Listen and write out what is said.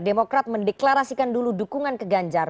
demokrat mendeklarasikan dulu dukungan ke ganjar